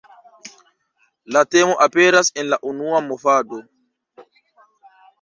La temo aperas en la unua movado.